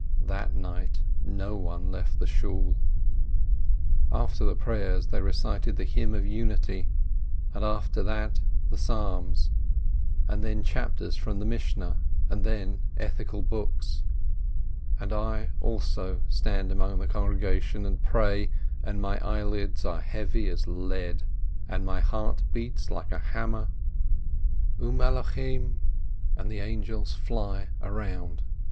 That night no one left the Shool, After the prayers they recited the Hymn of Unity, and after that the Psalms, and then chapters from the Mishnah, and then ethical books. .. And I also stand among the congregation and pray, and my eyelids are heavy as lead, and my heart beats like a hammer. "U Malochim yechofezun — and the angels fly around."